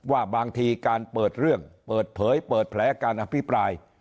ว่าบางทีการเปิดเรื่องเปิดเผยเปิดแผลการอภิปราย